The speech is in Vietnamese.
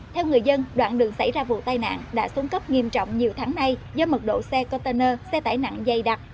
theo người dân đoạn đường xảy ra vụ tai nạn đã xuống cấp nghiêm trọng nhiều tháng nay do mật độ xe container xe tải nặng dày đặc